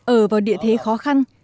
ở vào địa thế khó khăn